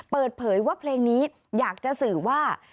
เปิดเผยว่าเพลงนี้อยากจะสื่อว่า